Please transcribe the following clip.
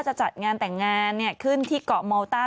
จะจัดงานแต่งงานขึ้นที่เกาะเมาต้า